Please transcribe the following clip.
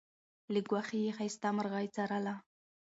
له ګوښې یې ښایسته مرغۍ څارله